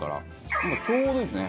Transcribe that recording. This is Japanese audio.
でもちょうどいいですね。